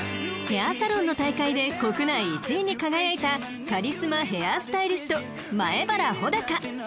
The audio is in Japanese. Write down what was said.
［ヘアサロンの大会で国内１位に輝いたカリスマヘアスタイリスト前原穂高］